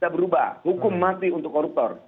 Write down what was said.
berubah hukum mati untuk koruptor